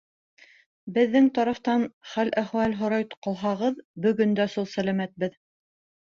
Беҙҙең тарафтан хәл-әхүәл һорай ҡалһағыҙ, бөгөн дә сау-сәләмәтбеҙ.